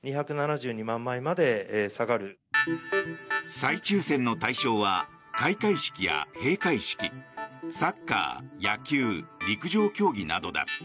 再抽選の対象は開会式や閉会式サッカー、野球陸上競技などだ。